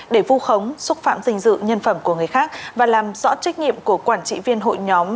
để vu khống xúc phạm dình dự nhân phẩm của người khác và làm rõ trách nhiệm của quản trị viên hội nhóm